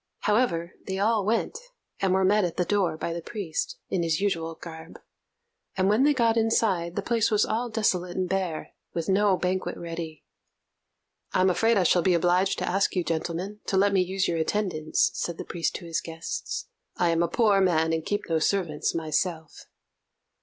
However, they all went, and were met at the door by the priest, in his usual garb; and when they got inside, the place was all desolate and bare, with no banquet ready. "I'm afraid I shall be obliged to ask you gentlemen to let me use your attendants," said the priest to his guests; "I am a poor man, and keep no servants myself."